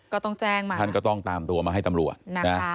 ก็ต้องแจ้งมาท่านก็ต้องตามตัวมาให้ตำรวจนะ